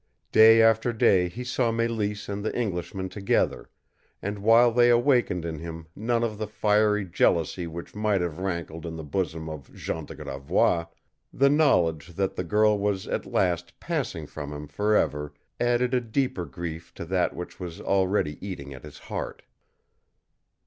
Day after day he saw Mélisse and the Englishman together, and while they awakened in him none of the fiery jealousy which might have rankled in the bosom of Jean de Gravois, the knowledge that the girl was at last passing from him for ever added a deeper grief to that which was already eating at his heart.